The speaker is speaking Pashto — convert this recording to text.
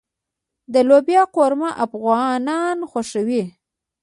د لوبیا قورمه افغانان خوښوي.